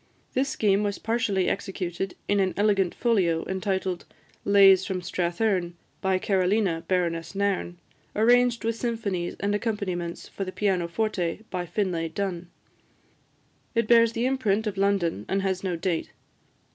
This scheme was partially executed in an elegant folio, entitled "Lays from Strathearn: by Carolina, Baroness Nairn. Arranged with Symphonies and Accompaniments for the Pianoforte, by Finlay Dun." It bears the imprint of London, and has no date.